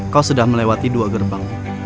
kau sudah melewati dua gerbang